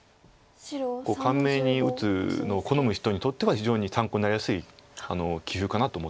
簡明に打つのを好む人にとっては非常に参考になりやすい棋風かなと思ってます。